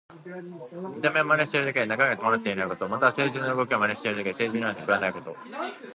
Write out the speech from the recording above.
見た目を真似しているだけで中身が伴っていないこと。または、聖人の動きを真似しているだけで聖人のような徳はないこと。